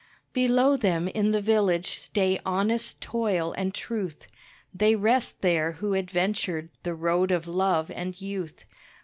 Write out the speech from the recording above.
Below them in the village stay honest toil and truth, They rest there who adventured the road of love and youth.